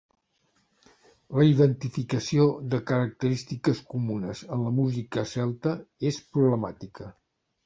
La identificació de característiques comunes en la música celta és problemàtica.